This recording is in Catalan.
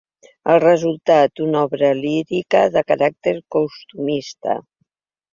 El resultat: una obra lírica de caràcter costumista.